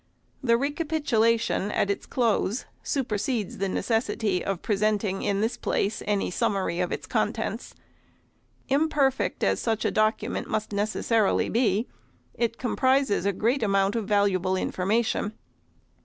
The recapitulation at its close, supersedes the necessity of presenting in this place any summary of its contents. Imperfect as such a document must nec'essarily be, it comprises a great amount of valuable information.